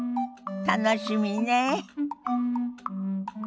楽しみねえ。